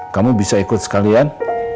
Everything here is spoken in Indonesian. kamu bisa ikut sekalian